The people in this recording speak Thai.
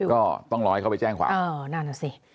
ก็ต้องร้อยเขาไปแจ้งฝั่ง